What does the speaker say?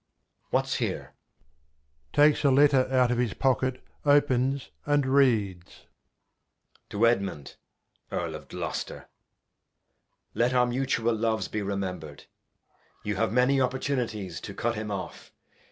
What's here ? \Takes a Letter out of his Pocket ; opens, and reads. To Edmund Earl of Gloster. Let our Mutual Loves be rememhred, you have many Opportunities to Cut him off.